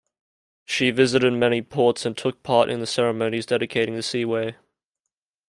She visited many ports and took part in the ceremonies dedicating the Seaway.